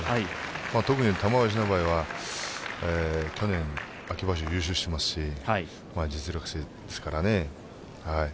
特に玉鷲の場合は去年、秋場所優勝していますし実力者ですからね。